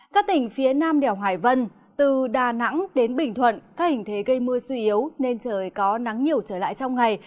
các tỉnh phía nam đèo hải vân từ đà nẵng đến bình thuận các hình thế gây mưa suy yếu nên trời có nắng nhiều trở lại trong ngày